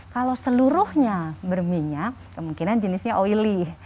kalau seluruhnya berminyak kemungkinan jenisnya oily